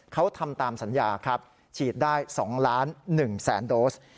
เขาทำตามสัญญาครับฉีดได้๒ล้าน๑แสนโดส